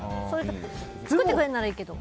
作ってくれるならいいけど。